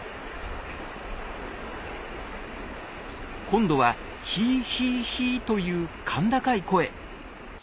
今度は「ヒーヒーヒー」という甲高い声。